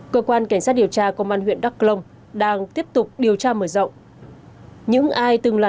cơ quan cảnh sát điều tra công an huyện đắk lông đang tiếp tục điều tra mở rộng những ai từng là